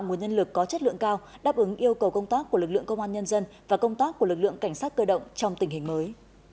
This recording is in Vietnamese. nguồn nhân lực có chất lượng cao đáp ứng yêu cầu công tác của lực lượng công an nhân dân và công tác của lực lượng cảnh sát cơ động trong tình hình mới